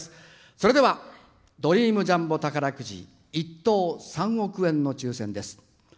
それではドリームジャンボ宝くじ１等３億円の抽せんです。